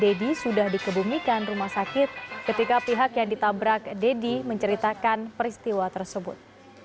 selain itu rumah sakit yang dikenal dengan nama deddy sudah dikebumikan rumah sakit ketika pihak yang ditabrak deddy menceritakan peristiwa tersebut